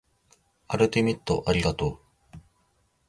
アルティメットありがとう